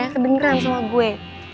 kedengeran sama gue